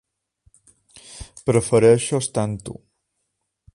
Prefereixo estar amb tu.